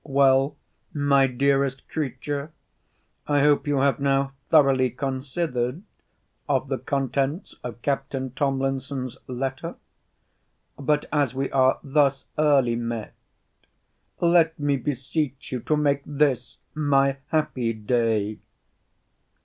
Well, my dearest creature, I hope you have now thoroughly considered of the contents of Captain Tomlinson's letter. But as we are thus early met, let me beseech you to make this my happy day.